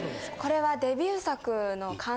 これは。